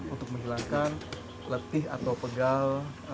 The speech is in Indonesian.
untuk menghilangkan letih atau pegal